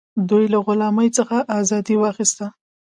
دوی له غلامۍ څخه ازادي واخیسته.